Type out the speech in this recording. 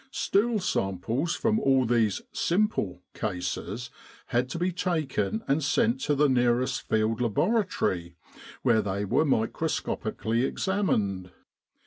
Stool samples from all these "simple" cases had to be taken and sent to the nearest Field Laboratory where they were microscopically examined.